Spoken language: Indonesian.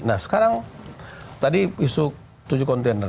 nah sekarang tadi isu tujuh kontainer